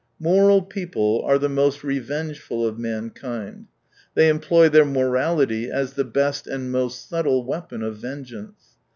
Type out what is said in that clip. Moral people are the most revengeful of mankind, they employ their morality as the best and most subtle weapon of ven geance.